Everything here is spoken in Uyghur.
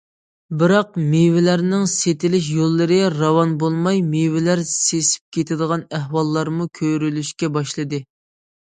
بىراق، مېۋىلەرنىڭ سېتىلىش يوللىرى راۋان بولماي، مېۋىلەر سېسىپ كېتىدىغان ئەھۋاللارمۇ كۆرۈلۈشكە باشلىدى.